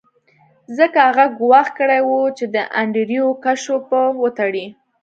ځکه هغه ګواښ کړی و چې د انډریو کشو به وتړي